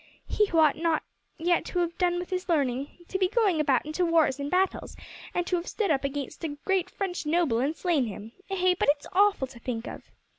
He who ought not yet to have done with his learning, to be going about into wars and battles, and to have stood up against a great French noble and slain him. Eh, but it's awful to think of!"